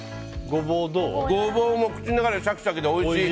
ゴボウも口の中でシャキシャキでおいしい。